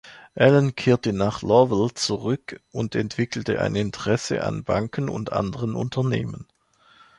Allan kehrte nach Lowell zurück und entwickelte ein Interesse an Banken und anderen Unternehmen.